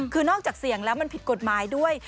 คือนอกจากเสี่ยงแล้วมันผิดกฎหมายด้วย